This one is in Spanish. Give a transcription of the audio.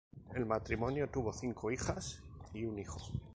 El matrimonio tuvo cinco hijas y un hijo.